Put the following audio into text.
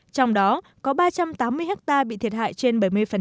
trong đó có ba trăm tám mươi hectare bị thiệt hại trên bảy mươi